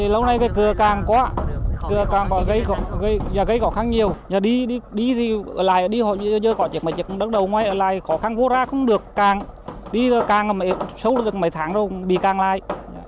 lâu nay cửa càng quá cửa càng gây khó khăn nhiều đi lại đi lại có khó khăn vô ra không được càng đi càng sâu được mấy tháng rồi bị càng lại